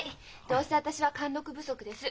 どうせ私は貫禄不足です。